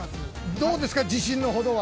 ◆どうですか、自信のほどは？